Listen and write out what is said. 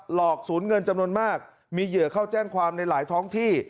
อกศูนย์เงินจำนวนมากมีเหยื่อเข้าแจ้งความในหลายท้องที่